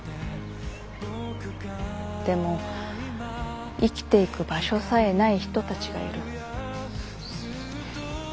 でも生きていく場所さえない人たちがいる。